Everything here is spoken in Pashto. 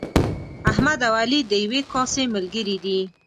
احمد او علي د یوې کاسې ملګري دي.